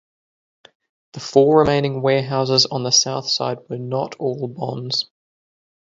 The four remaining warehouses on the south side were not all bonds.